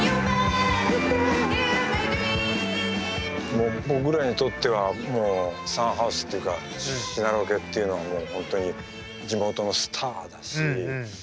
もう僕らにとってはもうサンハウスっていうかシナロケっていうのはもう本当に地元のスターだし。